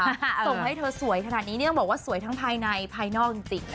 ส่งให้เธอสวยขนาดนี้นี่ต้องบอกว่าสวยทั้งภายในภายนอกจริง